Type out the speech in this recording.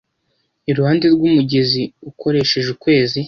iruhande rwumugezi ukoresheje ukwezi